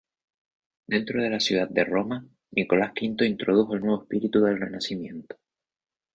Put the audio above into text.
Dentro de la ciudad de Roma, Nicolás V introdujo el nuevo espíritu del Renacimiento.